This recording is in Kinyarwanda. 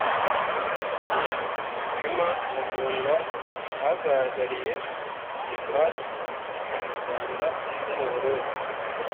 Imma Mugunga uhagarariye The Paste mu Rwanda no mu Burundi